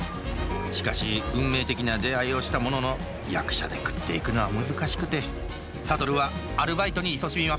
しかし運命的な出会いをしたものの役者で食っていくのは難しくて諭はアルバイトにいそしみます